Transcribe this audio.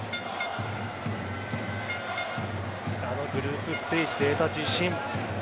あのグループステージで得た自信。